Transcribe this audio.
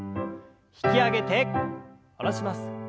引き上げて下ろします。